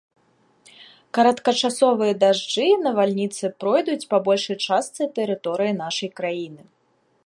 Кароткачасовыя дажджы і навальніцы пройдуць па большай частцы тэрыторыі нашай краіны.